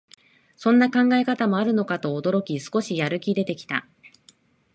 そんな考え方もあるのかと驚き、少しやる気出てきた